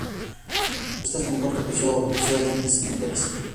Las hojas opuestas con corto pecíolo, oblongas, brillantes, enteras.